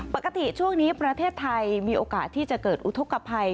ปกติช่วงนี้ประเทศไทยมีโอกาสที่จะเกิดอุทธกภัย